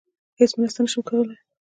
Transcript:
هیڅ مرسته نشم کولی.